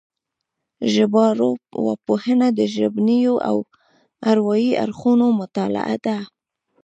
ژبارواپوهنه د ژبنيو او اروايي اړخونو مطالعه ده